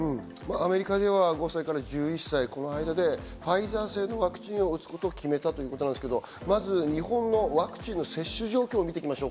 アメリカでは５歳から１１歳、この間でファイザー製のワクチンを打つことを決めたということですが、まず日本のワクチンの接種状況を見ていきましょう。